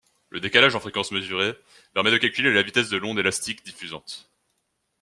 Le décalage en fréquence mesuré permet de calculer la vitesse de l'onde élastique diffusante.